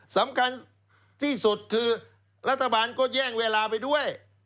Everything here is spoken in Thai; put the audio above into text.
สำคัญที่สุดคือรัฐบาลก็แย่งเวลาไปด้วย